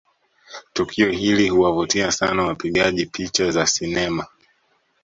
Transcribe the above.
Tukio hili huwavutia sana wapigaji picha za sinema